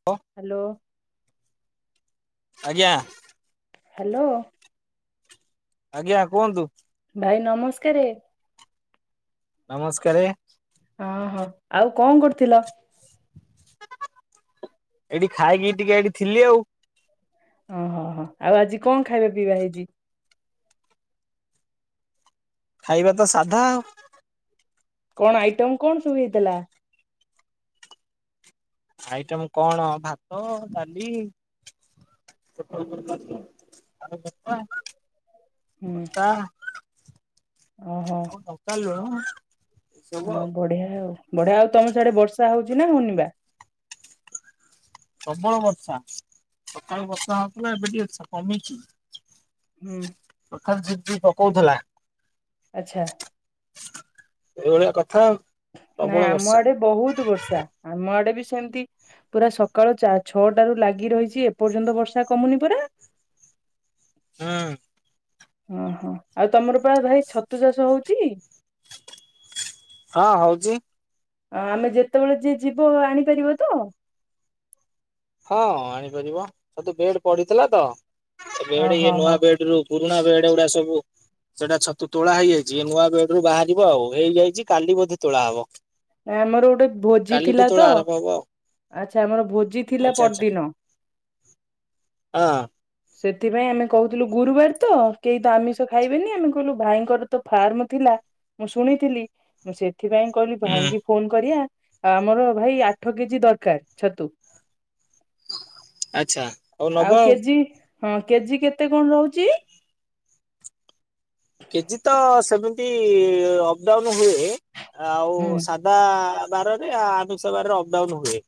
[inaudible] Hello. ଆଜ୍ଞା। Hello. ଆଜ୍ଞା କୁହନ୍ତୁ? ଭାଇ ନମସ୍କାରେ। ନମସ୍କାରେ। ହଁ ହଁ ଆଉ କଣ କରୁଥିଲ? ଏଇଠି ଖାଇକି ଟିକେ ଏଠି ଥିଲି ଆଉ ଓହୋହୋ ଆଉ ଆଜି କଣ ଖାଇବାପିଇବା ହେଇଛି। ଖାଇବା ତ ସାଧା। କଣ ଆଇଟମ କଣ ସବୁ ହେଇଥିଲା? ଆଇଟମ୍ କଣ ଭାତ, ଡାଲି। ହୁଁ [inaudible] ଓହୋ ଲେମ୍ବୁ ଲଙ୍କା ଲୁଣ। ଏ ସବୁ ଆଉ ବଢିଆ ଆଉ ବଢିଆ ଆଉ ତମ ସିଆଡେ ବର୍ଷା ହଉଛି ନା ହଉନି ବା? ପ୍ରବଳ ବର୍ଷା ସକାଳୁ ବର୍ଷା ହଉଥିଲା ଏବେ ଟିକେ କମିଛି। ହୁଁ। ସଖାଳେ ଝିପଝିପ ପକଉଥିଲା। ଆଚ୍ଛା। ଏଇଭଳିଆ କଥା ଆଉ ପ୍ରବଳ ନାଇଁ ଆମ ବର୍ଷା ଆଡେ ବହୁତ ବର୍ଷା ଆମ ଆଡେ ବି ସେମିତି ପୁରା ସକାଳ ଚାରଛଅଟା ରୁ ଲାଗି ରହିଛି ଏପର୍ଯ୍ୟନ୍ତ ବର୍ଷା କମୁନି ପରା। ହଁ। ଓହୋ ଆଉ ତମର ପରା ଭାଇ ଛତୁଚାଷ ହଉଛି? ହଁ ହଉଛି। ଆମେ ଯେତେବେଳେ ଯିଏ ଯିବ ଆଣିପାରିବ ତ? ହଁ ଆଣିପାରିବ ଛତୁ ବେଡ ପଡିଥିଲା ତ ବେଡରୁ ଓହୋ ଇଏ ହୋ ନୂଆ ବେଡ ରୁ ପୁରୁଣା ବେଡ ଗୁଡା ସବୁ ସେଇଟା ଛତୁ ତୋଳା ହେଇଯାଇଛି ନୂଆ ବେଡରୁୁ ବାହାରିବ ଆଉ ହେଇଯାଇଛି କାଲି ବୋଧେ ତୋଳା ହବ। ଆମର ଗୋଟେ ଭୋଜି କାଲିଠୁ ଥିଲା ତ ତୋଳା ଆରମ୍ଭ ହବ ଆଉ ଆଚ୍ଛା ଆମର ଭୋଜି ଥିଲା ଆଚ୍ଛା ଆଚ୍ଛା ପରଦିନ। ହଁ। ସେଥିପାଇଁ ଆମେ କହୁଥିଲୁ ଗୁରୁବାର ତ କେହି ତ ଆମିଷ ଖାଇବେନି ଆମେ କହିଲୁ ଭାଇଙ୍କର ତ ଫାର୍ମ ଥିଲା ମୁଁ ଶୁଣିଥିଲି ମୁଁ ସେଥିପାଇଁ କହିଲି ହୁଁ। ଭାଇଙ୍କି ଫୋନ କରିବା ଆମର ଭାଇ ଆଠକେଜି ଦରକାର ଛତୁ। ଆଚ୍ଛା ହଉ ନବ ଆଉ କେଜି ହଁ କେଜି କେତେ କଣ ରହୁଛି? କେଜି ତ ସେମିତି ଅପଡାଉନ ହୁଏ ଆଉ ହୁଁ ବା ବାରରେ ଆନୁଷ ବାରରେ ଅପଡାଉନ ହୁଏ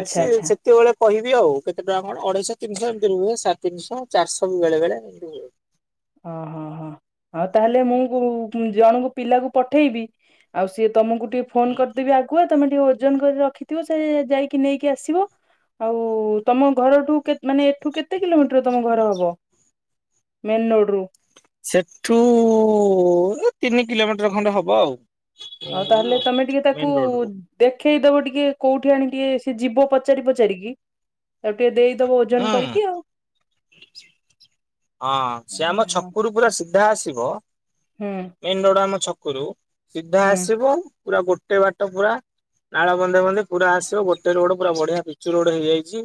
ଆଚ୍ଛା ଆଚ୍ଛା ସେତେବେଳେ କହିବି ଆଉ କେତେ ଟଙ୍କା କଣ ଅଢେଇଶହ ତିନିଶହ ଏମତି ରୁହେ ସାଢ଼େ ତିିନି ଶହ ଚାରିଶହ ବେଳେ ବେଳେ ଏମିତି ରୁହେ। ଓଁ ହଁ ହଁ। ଆଉ ତାହେଲେ ମୁଁ ଜଣଙ୍କୁ ପିଲାକୁ ପଠେଇବି ଆଉ ସିଏ ତମକୁ ଟିକେ ଫୋନ କରିଦେବି ଆଗୁଆ ତମେ ଟିକେ ଓଜନ କରି ରଖିଥିବ ସେ ଯାଇକି ନେଇକି ଆସିବ। ଆଉ ତମ ଘରଠୁ ମାନେ ଏଠୁ କେତେ କିଲୋମିଟର ତମ ଘର ହବ? ମେନ୍ ରୋଡ଼ ରୁ ସେଠୁ ଏ ତିନି କିଲୋମିଟର ଖଣ୍ଡେ ହବ ଆଉ ଆଉ ମେନ ତାହେଲେ ରୋଡରୁ ତମେ ଟିକେ ମେନ ତାକୁ ରୋଡରୁ ଦେଖେଇଦବ ଟିକେ କୋଉଠି ଆଣି କି ଟିକେ ସିଏ ଯିବ ପଚାରି ପଚାରିକି ତାକୁ ଟିକେ ଦେଇ ଦେଇଦବ ଓଜନ ହୁଁ। କରିକି ଆଉ। ହଁ ସିଏ ଆମ ଛକରୁ ପୁରା ସିଧା ଆସିବ ହୁଁ ମେନ ରୋଡ ଆମ ଛକରୁ ସିଧା ହୁଁ ଆସିବ ପୁରା ଗୋଟେ ବାଟ ପୁରା। ନାଳ ବନ୍ଧେ ବନ୍ଧେ ପୁରା ଆସିବ ଗୋଟେ ରୋଡ ପୁରା ବଢିଆ ପିଚୁ ରୋଡ ହେଇଯାଇଛି।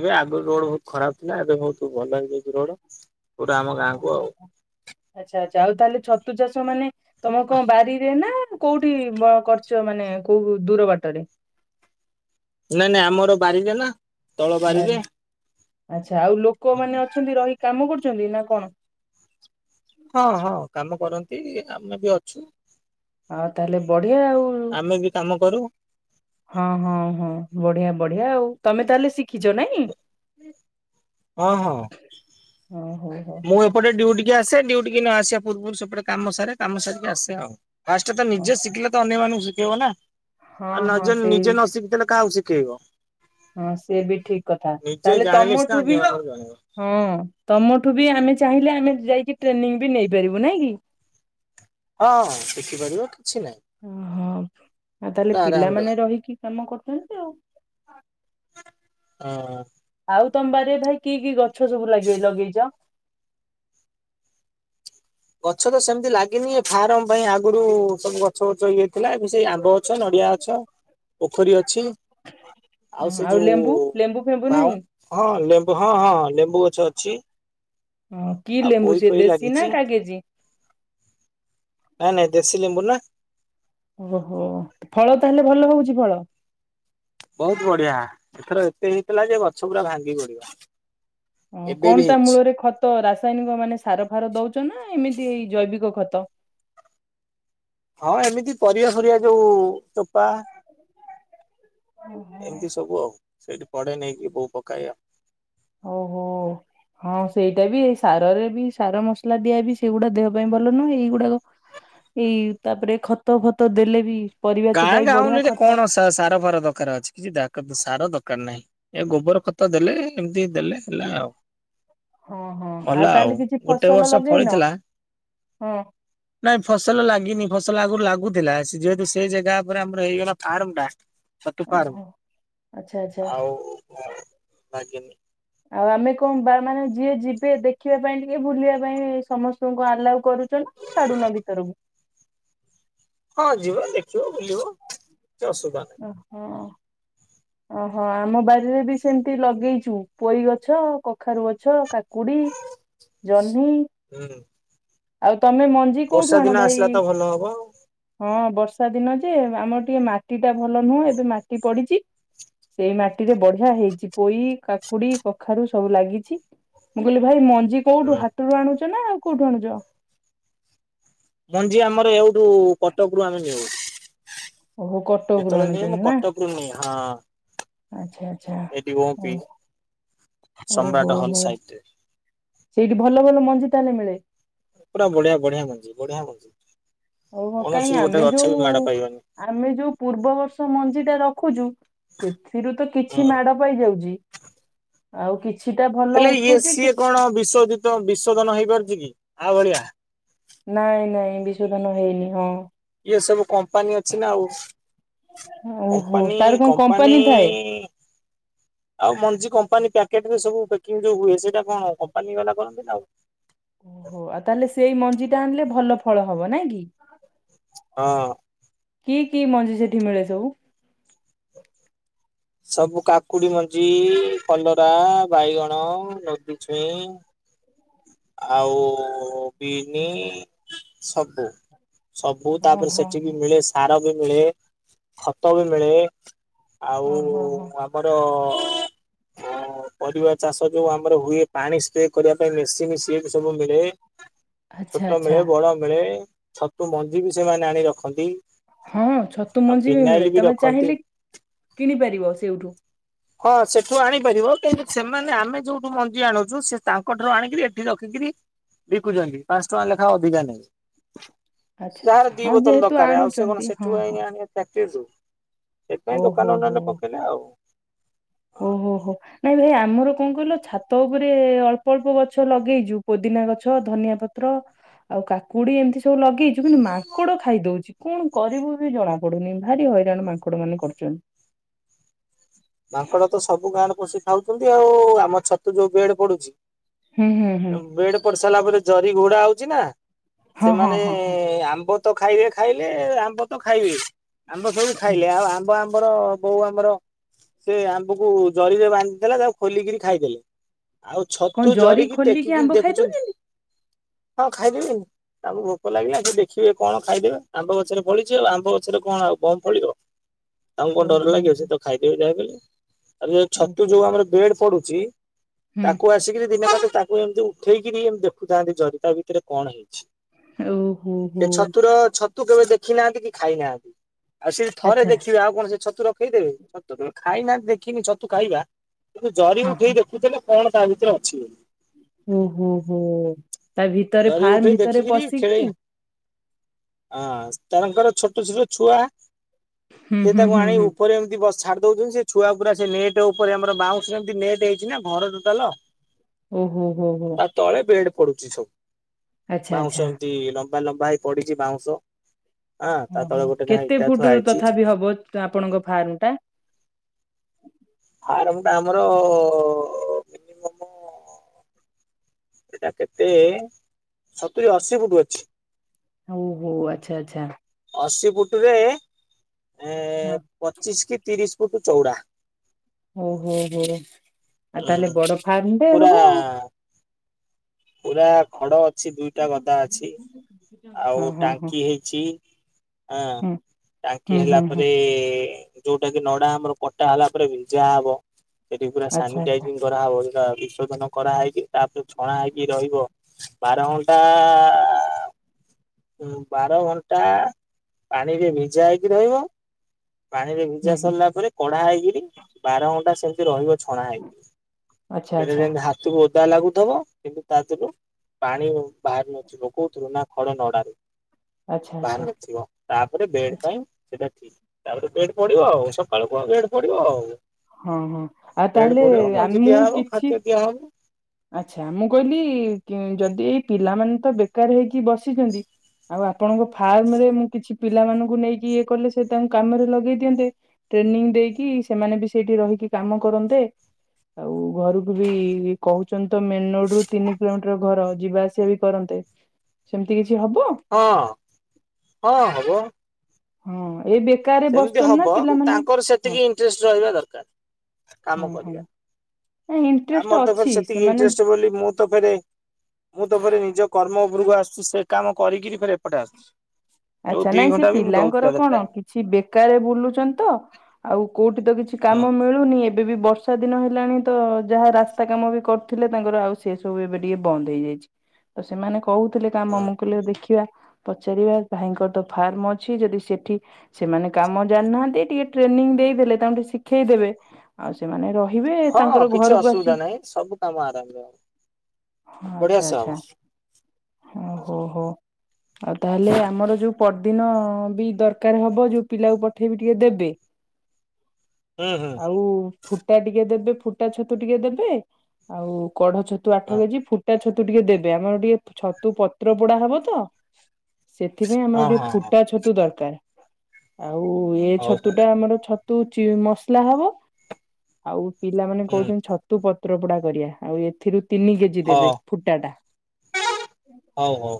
ଏବେ ଆଗରୁ ରୋଡ ବହୁତ ଖରାପ ଥିଲା ଏବେ ବହୁତ ଭଲ ହେଇଯାଇଛି ରୋଡ। ପୁରା ଆମ ଗାଁକୁ ଓହୋ ଆଉ। ଆଚ୍ଛା ଆଚ୍ଛା ଆଉ ତାହେଲେ ଛତୁ ଚାଷ ମାନେ ତମ କଣ ବାରିରେ ନା? କୋଉଠି ବ କରିଚ ମାନେ କୋଉ ଦୂର ବାଟରେ। ନାଇଁ ନାଇଁ ଆମର ବାରିରେ ନା। ବାରିରେ ଆଚ୍ଛା ଆଉ ଲୋକମାନେ ଅଛନ୍ତି ରହି କି କାମ କରୁଚନ୍ତି ନା କଣ? ହଁ ହଁ କାମ କରନ୍ତି ଆମେ ବି ଅଛୁ। ଆଉ ତାହେଲେ ବଢିଆ ଆଉ। ଆମେ ବି କାମ କରୁ ହଁ ହଁ ହଁ ବଢିଆ ବଢିଆ ଆଉ ତମେ ତାହେଲେ ଶିଖିଚ ନାଇଁ? ହଁ ହଁ। ଓ ହୋ। ମୁଁ ଏପଟେ ଡିଉଟିକି ଆସେ ଡିଉଟିକି ନ ଆସିବା ପୂର୍ବରୁ ସେପଟେ କାମ ସାରେ, କାମ ସାରିକି ଆସେ ଆଉ। ଫାଷ୍ଟେ ତ ଓ ନିଜେ ଶିଖିଲେ ତ ଅନ୍ୟମାନଙ୍କୁ ଶିଖେଇବ ନା। ହଁ ଆଉ ହଁ ନଜ ସେଇ ନିଜେ ନ ଶିଖିଥିଲେ କାହାକୁ ଶିଖେଇବ। ହଁ ସିଏ ବି ଠିକ୍ କଥା, ନିଜେ ତାହେଲେ ଜାଣିଲେ ସିନା ତମଠୁ ବି ଅନ୍ୟମାନଙ୍କୁ ଜଣେଇବ। ହଁ ତମଠୁ ବି ଆମେ ଚାହିଁଲେ ଆମେ ଯାଇକି ଟ୍ରେନିଂ ବି ନେଇପାରିବୁ ନାଇଁ କି? ହଁ ଶିଖିପାରିବ କିଛି ନାଇଁ। ଓହୋ ଆଉ ତାହେଲେ ପିଲାମାନେ ରହିକି କାମ କରୁଚନ୍ତି ଆଉ। ଅଁ। ଆଉ ତମ ବାରିରେ ଭାଇ କି କି ଗଛ ସବୁ ଲଗେଇ ଲଗେଇଚ? ଗଛ ତ ସେମିତି ଲାଗନି ଏ ଫାର୍ମ ପାଇଁ ଆଗରୁ ସବୁ ଗଛ ବଛ ଇଏ ଥିଲା ଏବେ ସେଇ ଆମ୍ବ ଗଛ, ନଡିଆ ଅଛ, ପୋଖରୀ ଅଛି। ଆଉ ସେ ହଁ ଯୋଉ ଲେମ୍ବୁ ଲେମ୍ବୁ ଫେମ୍ବୁ ବାଉଁ ନାହିଁ? ହଁ ଲେମ୍ବୁ ହଁ ହଁ ଲେମ୍ବୁ ଗଛ ଅଛି। ହଁ କି ଆଉ ପୋଇ ଲେମ୍ବୁ ସେ ଫୋଇ ଦେଶୀ ଲାଗିଛି ନା କାଗେଜି? ନାଇଁ ନାଇଁ ଦେଶୀ ଲେମ୍ବୁ ନା। ଓହୋ, ଫଳ ତାହେଲେ ଭଲ ହଉଚି ଫଳ? ବହୁତ ବଢିଆ ଏଥର ଏତେ ହେଇଥିଲା ଯେ ଗଛ ପୁରା ଭାଙ୍ଗି ପଡିବ। ଓ ଏବେ ବି କଣ ତା ହେଇଛି। ମୂଳରେ ଖତ ରାସାୟନିକ ମାନେ ସାର ଫାର ଦଉଛ ନା ଏମିତି ଏଇ ଜୈବିକ ଖତ? ହଁ ଏମିତି ପରିବା ଫରିବା ଯୋଉ ଚୋପା ହଁ। ଏମିତି ସବୁ ଆଉ ସେଇଠି ପଡେ ନେଇକି ବୋଉ ପକାଏ। ଓହୋ। ହଁ। ସେଇଟା ବି ଏ ସାରରେ ବି ସାର ମସଲା ଦିଆ ବି ସେଇଗୁଡା ଦେହ ପାଇଁ ଭଲ ନୁହଁ, ଏଇଗୁଡାକ ଏଇ ତାପରେ ଖତ ଫତ ଦେଲେ ବି ପରିବା ଚୋପା ଗାଁ ବି ବଢିଆ ଗାଁଉଲିରେ ଖତ କଣ ସା ସାର ଫାର ଦରକାର ଅଛି। କିଛି ଦା ସାର ଦରକାର ନାହିଁ ଏ ଗୋବର ଖତ ଦେଲେ ଏମିତି ଦେଲେ ହେଲା ଆଉ। ହଁ ହଁ ଭଲ ଆଉ ତାହେଲେ କିଛି ଗୋଟେ ଫସଲ ବର୍ଷ ଲଗେଇନ ଫଳିଥିଲା ହଁ ନାଇଁ ଫସଲ ଲାଗିନି ଫସଲ ଆଗରୁ ଲାଗୁଥିଲା ଯେହେତୁ ସେ ଜେଗା ଉପରେ ଆମର ହେଇଗଲା ଫାର୍ମ ଟା। ଛତୁ ଫାର୍ମ ଓହୋ ଆଚ୍ଛା ଆଚ୍ଛା। ଆଉ ଫଳ ଲାଗିନି। ଆଉ ଆମେ କଣ ବା ମାନେ ଯିଏ ଯିବେ ଦେଖିବା ପାଇଁ ଟିକେ ବୁଲିବା ପାଇଁ ସମସ୍ତଙ୍କୁ ଆଲାଉ କରୁଚ ନା? ଛାଡୁନ ଭିତର କୁ? ହଁ ଯିବ ଦେଖିବ ବୁଲିବ କିଛି ଅସୁବିଧା ନାହିଁ। ଓହୋ। ଓହୋ ଆମ ବାରିରେ ବି ସେମିତି ଲଗେଇଚୁ ପୋଇ ଗଛ, କଖାରୁ ଗଛ, କାକୁଡି ଜହ୍ନି ହୁଁ ଆଉ ତମେ ମ ଞ୍ଜି ବର୍ଷା କୋଉଠୁ ଆଣ ଦିନ ଭାଇ? ଆସିଲା ତ ଭଲ ହବ ହଁ ବର୍ଷା ଦିନ ଯେ ଆମର ଟିକେ ମାଟି ଟା ଭଲ ନୁହଁ ଏବେ ମାଟି ପଡିଚି। ସେଇ ମାଟି ରେ ବଢିଆ ହେଇଛି ପୋଇ, କାକୁଡି, କଖାରୁ ସବୁ ଲାଗିଛି। ମୁଁ କହିଲି ଭାଇ ମଞ୍ଜି କୋଉଠୁ ଆଉ। ହାତଟରୁ ଆଣୁଛ ନା ଆଉ କୋଉଠୁ ଆଣୁଛ? ମଞ୍ଜି ଆମର ଏଉଠୁ କଟକ ରୁ ଆମେ ନେହୁ। ଓହୋ କଟକରୁ ଯେତେବେଳେ ନିଏ ମୁଁ ଆଣୁଛନ୍ତି ନା କଟକରୁୁ ନିଏ ହଁ। ଆଚ୍ଛା ଆଚ୍ଛା ଏଇଠି ଉ ଓପି ସମ୍ରାଟ ହଲ ସାଇଟ୍ ରେ। ସେଇଠି ଭଲ ଭଲ ମଞ୍ଜି ତାହେଲେ ମିଳେ। ପୁରା ବଢିଆ ବଢିଆ ମଞ୍ଜି ବଢିଆ ମଞ୍ଜି ଓହୋ କାହିଁ କୌଣସି ଆମେ ଗୋଟେ ଗଛ ଯୋଉ ବି ମାଡ ପାଇବନି। ଆମେ ଯୋଉ ପୂର୍ବବର୍ଷ ମଞ୍ଜି ଟା ରଖୁଛୁ ସେଥିରୁ ତ କିଛି ହୁଁ। ମାଡ ପାଇଯାଉଛି ଆଉ କିଛି ହେଲେ ଇଏ ସିଏ କଣ ବିଶୋଧିତ ବିଶୋଧନ ହେଇପାରୁଛି କି ଆ ଭଳିଆ? ନାଇଁ ନାଇଁ ବିଶୋଧନ ହେଇନି ହଁ। ଇଏ ସବୁ କମ୍ପାନୀ ଅଛି ନା ଆଉ। ଓହୋ କମ୍ପାନୀ ତାର କଣ କମ୍ପାନୀ ଥାଏ? ଆଉ ମଞ୍ଜି କମ୍ପାନୀ ପ୍ୟାକେଟ ରେ ସବୁ ପକିଂ ଯୋଉ ହୁଏ ସେଇଟା କଣ କମ୍ପାନୀ ବାଲା କରନ୍ତି ନା ଆଉ। ଓହୋ ଆଉ ତାହେଲେ ସେଇ ମଞ୍ଜି ଟା ଆଣିଲେ ଭଲ ଫଳ ହବ ନାଇଁ କି? ହଁ। କି କି ମଞ୍ଜି ସେଠି ମିଳେ ସବୁ? ସବୁ କାକୁଡି ମଞ୍ଜି, କଲରା, ବାଇଗଣ, ନଦୀଛୁଇଁ ଆଉ ବିନି ସବୁ। ସବୁ ତାପରେ ଓହୋ ସେଠି ବି ମିଳେ ସାର ବି ମିଳେ ଖତ ବି ମିଳେ। ଆଉ ଓହୋ ହୋ। ଆମର ପରିବା ଚାଷ ଯୋଉ ଆମର ହୁଏ ପାଣି ସ୍ପ୍ରେ କରିବା ପାଇଁ ମେସିନ୍ ସିଏ ସବୁ ମିଳେ। ଆଚ୍ଛା ଛୋଟ ଆଚ୍ଛା ମିଳେ ବଡ ମିଳେ ଛତୁ ମଞ୍ଜି ବି ସେମାନେ ଆଣି ରଖନ୍ତି। ହଁ ଛତୁ ଆଉ ମଞ୍ଜି ବି ଫିନାଇଲ ମିଳେ ତମେ ରଖନ୍ତି। ଚାହିଁଲେ କିଣିପାରିବ ସେଉଠୁ? ହଁ ସେଠୁ ଆଣିପାରିବ କିନ୍ତୁ ସେମାନେ ଆମେ ଯୋଉଠୁ ମ ଞ୍ଜି ଆଣୁଛୁ ସେ ତାଙ୍କଠାରୁ ଆଣିକିରି ଏଠି ରଖିକିରି ବିକୁଛନ୍ତି ପାଞ୍ଚ ଟଙ୍କା ଲେଖା ଅଧିକା ନେଇ। ଆଚ୍ଛା ଆଚ୍ଛା ଯାହାର ଦି ହଁ ବୋତଲ ଯେହେତୁ ଦରକାରେ ଆଉ ସେ ଆଣୁଛନ୍ତି କଣ ହଁ ସେଠୁ ହଁ ଯାଇ ଆଣିବେ। ପ୍ୟକେଜୁ ସେଥିପାଇଁ ଓହୋ ଦୋକାନ ହୋ। ନନେଲେ ପକେଇଲେ ଆଉ। ଓହୋ ହୋ ହୋ। ନାଇଁ ଭାଇ ଆମର କଣ କହିଲ ଛାତ ଉପରେ ଅଳ୍ପ ଅଳ୍ପ ଗଛ ଲଗେଇଛୁ ପୋଦିନା ଗଛ, ଧନିଆ ପ ପ୍ର ଆଉ କାକୁଡି ଏମିତି ସବୁ ଲଗେଇଛୁ କିନ୍ତୁ ମାଙ୍କଡ ଖାଇ ଦଉଛି। କଣ କରିବୁ ବି ଜଣା ପଡୁନି ଭାରି ହଇରାଣ ମାଙ୍କଡ ମାନେ କରୁଛନ୍ତି। ମାଙ୍କଡ ତ ସବୁ ଗାଁରେ ପସି ଖାଉଛନ୍ତି ଆଉ ଆମ ଛତୁ ଯୋଉ ବେଡ ପଡୁଛି ହୁଁ ହୁଁ ହୁଁ ବେଡ ପଡି ସାରିଲା ପରେ ଜରି ଘୋଡା ହଉଛି ନା। ହଁ ହଁ ସେମାନେ ହଁ ହଁ। ଆମ୍ବ ତ ଖାଇବେ ଖାଇଲେ ଆମ୍ବ ତ ଖାଇବେ। ଆମ୍ବ ସବୁ ଖାଇଲେ ଆଉ ଆମ୍ବ ଆମର ବୋଉ ଆମର ସେ ଆମ୍ବକୁ ଜରିରେ ବାନ୍ଧିଥିଲା ତାକୁ ଖୋଲିକିରି ଖାଇଦେଲେ। ଆଉ କଣ ଛତୁ ଜରି ଜରିକି ଖୋଲିକି ଟେକିକି ଆମ୍ବ ଦେଖୁଛନ୍ତି ଖାଇଦଉଛନ୍ତି? ହଁ ଖାଇଦେବେ ଆଉ। ତାଙ୍କୁ ଭୋକ ଲାଗିଲା ସେ ଦେଖିବେ କଣ ଖାଇଦେବେ ଆମ୍ବ ଗଛରେ ପଳିଛି ଆଉ ଆମ୍ବ ଗଛରେ କଣ ଆଉ ବମ୍ ଫଳିବ। ତାଙ୍କୁ କଣ ଡର ଓହୋ ଲାଗିବ ସେ ତ ଖାଇଦବ ଯାହାବି ହେଲେ। ଆଉ ଯୋଉ ଓହୋ ଛତୁ ଯୋଉ ଆମର ବେଡ ପଡୁଛି ହୁଁ ତାକୁ ଆସିକିରି ଦିନେ ଏମତି ତାକୁ ଏମିତି ଉଠେଇକିରି ଦେଖୁଥାନ୍ତି ଜରି ତା ଭିତରେ କଣ ହେଇଛି। ଓହୋ ହୋ ଏ ଛତୁର ଛତୁ କେବେ ଦେଖି ନାହାନ୍ତି କି ଖାଇ ନାହାନ୍ତି। ଆଉ ସେ ଥରେ ଆଚ୍ଛା ଦେଖିବେ ଆଉ କଣ ସେ ଛତୁ ରଖେଇଦେବେ ଛତୁ କେବେ ଖାଇନାହାନ୍ତି ଦେଖିନି ଛତୁ ଖାଇବା। କିନ୍ତୁ ଜରି ହଁ ଉଠେଇ ଦେଖୁଥୁଲେ କଣ ତା ଭିତରେ ଅଛି ବୋଲି। ଓହୋ ହୋ ତା ଭିତରେ ଜରି ଫାର୍ମ ଉଠେଇ ଭିତରେ ଦେଖିକିରି ଖେଳେ ପଶିକି ହଁ ତାଙ୍କର ଛୋଟ ଛୋଟ ଛୁଆ। ହୁଁ ସେ ହୁଁ ତାଙ୍କୁ ହୁଁ ଆଣି ହୁଁ ଉପରେ ଏମତି ବ ଛାଡି ଦୋଉଛନ୍ତି ସେ ଛୁଆ ପୁରା ସେ ନେଟ୍ ଓପରେ ଆମର ବାଉଁଶରେ ଏମତି ନେଟ୍ ହେଇଚି ନା ଘର ଟୋଟାଲ। ଓହୋ ହୋ ହୋ। ଆ ତଳେ ବେଡ ପଡୁଚି ସବୁ। ଆଚ୍ଛା ଆଚ୍ଛା ବାଉଁଶ ଏମତି ଲମ୍ବା ଲମ୍ବା ହେଇପଡିଚି ବାଉଁଶ। ହଁ ତା ଓହୋ ତଳେ ଗୋଟେ ନା କେତେ ଇଟା ଥୁଆ ଫୁଟୁ ହେଇଛି। ତଥାପି ହବ ଆପଣଙ୍କ ଫାର୍ମଟା? ଫାର୍ମଟା ଆମର ସେଟା କେତେ ସତୁରି ଅଶୀ ଫୁଟୁ ଅଛି। ଓ ହୋ ଆଚ୍ଛା ଆଚ୍ଛା। ଅଶୀ ଫୁଟରେ ହଁ। ପଚିଶ କି ତିରିଶ ଫୁଟୁ ଚୋଉଡ଼ା। ଓହୋ ହୋ ଆଉ ତାହେଲେ ଉଁ ବଡ ଫାର୍ମଟେ ପୁରା ହବ ଆଉ। ପୁରା ଖଡ ଅଛି ଦୁଇଟା ଗଦା ଅଛି। ଆଉ ହଁ ହଁ ହଁ ଟାଙ୍କି ହେଇଛି ଆଁ ହୁଁ ଟାଙ୍କି ହୁଁ ହେଲା ହୁଁ ହୁଁ ପରେ ଯୋଉଟା କି ନଡା ଆମର କଟା ହେଲା ପରେ ଭିଜା ହବ ସେଠି ପୁରା ଆଚ୍ଛା ଆଚ୍ଛା ସାନିଟାଇଜିଙ୍ଗ। କରାହବ ସେଟା ବିଶୋଧନ କରାହେଇକି ତାପରେ ଛଣାହେଇକି ରହିବ। ବାର ଘଣ୍ଟା ଆ ହୁଁ ବାର ଘଣ୍ଟା ପାଣିରେ ଭିଜା ହେଇକି ରହିବ। ପାଣିରେ ଭିଜା ହୁଁ ହୁଁ ସରଲା ପରେ କଡା ହେଇକିରି ବାର ଘଣ୍ଟା ସେମତି ରହିବ। ଛଣା ହେଇକି ଆଚ୍ଛା [unintelligible] ଆଚ୍ଛା ଯେମ ହା ଓଦା ଲାଗୁଥବ କିନ୍ତୁ ତା ଦେହରୁ ପାଣି ବାହାରି ନଥିବ କୋଉଥୁରୁ ନା ହଡ ନଡାରୁ ଆଚ୍ଛା ବାହାରୁ ଆଚ୍ଛା। ନଥିବ ତାପରେ ବେଡ ଆଚ୍ଛା। ପାଇଁ ସେଟା ଠିକ। ତାପରେ ବେଡ ପଢିବ ଆଉ ସକାଳକୁ ଆ ବେଡ ପଢିବ ଆଉ। ହଁ ହଁ ଆଉ ବେଡ ତାହେଲେ ପଡିବ ମଞ୍ଜି ମୁଁ ଦିଆହବ କିଛି ଖାଦ୍ୟ ଦିଆ ହବ। ଆଚ୍ଛା ମୁଁ କହିଲି କି ଯଦି ଏଇ ପିଲାମାନେ ତ ବେକାର ହେଇକି ବସିଛନ୍ତି ଆଉ ଆପଣଙ୍କ ଫାର୍ମରେ ମୁଁ କିଛି ପିଲାମାନଙ୍କୁ ନେଇକି ଇଏ କଲେ ସେ ତାଙ୍କୁ କାମରେ ଲଗେଇ ଦିଅନ୍ତେ। ଟ୍ରେନିଂ ଦେଇକି ସେମାନେ ବି ସେଇଠି ରହିକି କାମ କରନ୍ତେ। ଆଉ ଘରକୁ ବି କୋହୁଚନ୍ତି ତ ମେନ ରୋଡରୁ ତିନି କିଲୋମିଟର ଘର ଯିବା ଆସିବା ବି କରନ୍ତେ। ସେମତି କିଛି ହବ? ହଁ ହଁ ହବ। ହଁ ଏଇ ବେ ସେମିତି ହବ କିନ୍ତୁ ତାଙ୍କର ସେତିକି ଇଣ୍ଟରେଷ୍ଟ ରହିବା ଦରକାର ହଁ କାମ ହଁ କରିବାର। ଆଉ ଇଣ୍ଟରେଷ୍ଟ ମୋର ତ ଫେର ଅଛି ସେତିକି ସେମାନେ ଇଣ୍ଟରେଷ୍ଟ ବୋଲି ମୁଁ ମୁଁ ତ ଫେରେ ମୁଁ ତ ଫେରେ ନିଜ କର୍ମ ଉପରକୁ ଆସୁଚି ସେ କାମ କରିକିରି ଫେରେ ଏପଟରେ ଆସୁଚି। ଆଚ୍ଛା ନାଇଁ ସେ ପିଲାଙ୍କର କଣ ଟାଇମ କି ଛି ବେକାରରେ ବୁଲୁଚନ୍ତି ତ ଆଉ କୋଉଠି ତ କିଛି କାମ ହଁ। ମିଳୁ ନି ଏବେ ବି ବର୍ଷା ଦିନ ହେଲାଣି ତ ଯାହା ରାସ୍ତା କାମ ଏବେ କରୁଥିଲେ ତାଙ୍କର ଆଉ ସି ସେଇ ସବୁ ଏବେ ଟିକେ ବନ୍ଦ ହେଇଯାଇଚି ତ ସେମାନେ କ କହୁଥିଲେ କା ହୁଁ ମାମୁ କହିଲ ଦେଖିବା ପଚାରିବା ଭାଇଙ୍କର ତ ଫାର୍ମ ଅଛି ଯଦି ସେଠି ସେମାନେ କାମ ଜାଣିନାହାନ୍ତି। ଟିକେ ଟ୍ରେନିଂ ଦେଇଦେଲେ ତାଙ୍କୁ ଟିକେ ଶିଖେଇ ଦେବେ। ଆଉ ସେମାନେ ରହିବେ। ହଁ ତାଙ୍କର କିଛି ଘରକୁ ଆସି ଅସୁବିଧା ନାହିଁ ସବୁ କାମ ଆରାମରେ ହବ ହଁ ବଢିଆ ଆଚ୍ଛା ସେ ଆଚ୍ଛା ହବ ହଁ ହୋଉ ହୋଉ। ଆଉ ତାହଲେ ଆମର ଯୋଉ ପର୍ଦିନ ବି ଦରକାର ହବ ଯୋଉ ପିଲାକୁ ପଠେଇଵି ଟିକେ ଦେବେ। ହୁଁ ହୁଁ ଆଉ ଫୁଟା ଟିକେ ଦେବେ ଫୁଟା ଛତୁ ଟିକେ ଦେବେ ଆଉ କଢ ଛତୁ ହଁ। ଆଠ କେଜି, ଫୁଟା ଛତୁ ଟିକେ ଦେବେ। ଆମର ଟିକେ ଛତୁ ପତ୍ର ପୋଡା ହବ ତ। ସେଥିପାଇଁ ହଁ ଆମର ଟିକେ ହଁ ଫୁଟା ଛତୁ ଦରକାର। ଆଉ ଏ ହଁ ହଉ ଛତୁ ଟା ଆମର ଛତ ତୁ ମସଲା ହବ। ଆଉ ପିଲାମାନେ ହୁଁ କହୁଛନ୍ତି ଛତ ତୁ ପତ୍ର ପୋଡା କରିବା। ଆଉ ଏଥିରୁ ତିନି କେଜି ଜି ଦେବେ ହଁ। ଫୁଟାଟା। ହଉ ହଉ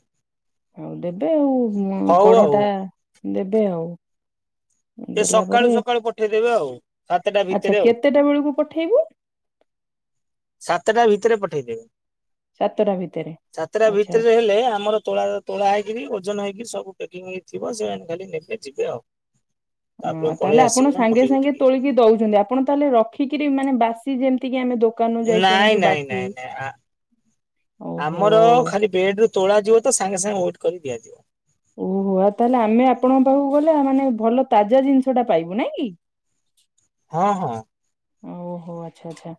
ହଉ। ଟା ଆଉ ହଉ ଆଉ କଢଟା ଦେବେ ଆଉ ଏ ଦେଲା ସକାଳୁ ପରେ। ସକାଳୁ ପଠେଇଦେବେ ଆଉ ସାତଟା ଆଚ୍ଛା ଭିତରେ ଆଉ। କେତେଟା ବେଳକୁ ପଠେଇବୁ? ସାତଟା ଭିତରେ ପଠେଇଦେବେ। ସାତଟା ଭିତରେ ସାତଟା ଆଚ୍ଛା ଭିତରେ ହେଲେ ଆମର ତୋଳା ତୋଳା ହେଇକିରି ଓଜନ ହେଇକି ସବୁ ପକିଂ ହେଇ ଥିବ। ସେମାନେ ଖାଲି ନେବେ ଯିବେ ଆଉ। ତାପରେ ଉଁ ପଳେଇ ତାହେଲେ ଆପଣ ଆସିବି ନା ମୋ ସାଙ୍ଗେ ଡ୍ୟୁଟି ସାଙ୍ଗେ କି ତୋଳିକି ଦଉଛନ୍ତି। ଆପ ଆପଣ ତାହେଲେ ରଖିକିରି ମାନେ ବାସି ଯେମିତିକି ଆମେ ଦୋକ ନାଇଁ ନାଇଁ ନାଇଁ ନାଇଁ ଆ ଓହୋ। ଆମର ଖାଲି ପେଡରୁ ତୋଳାଯିବ ତ ସାଙ୍ଗେ ସାଙ୍ଗେ ୱେଟ୍ କରି ଦିଆଯିବ। ଓହୋ ଆଉ ତାହେଲେ ଆମେ ଆପଣଙ୍କ ପାଖକୁ ଗଲେ ମାନେ ଭଲ ତାଜା ଜିନିଷଟା ପାଇବୁ ନାଇଁକି। ହଁ ହ। ଓହୋ ଆଚ୍ଛା ଆଚ୍ଛା।